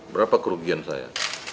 berapa kerugian saya